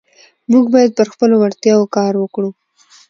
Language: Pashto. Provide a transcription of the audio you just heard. موږ باید پر خپلو وړتیاوو کار وکړو